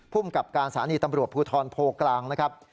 ภูมิกับการสถานีตำรวจภูทรโพกลางนะครับ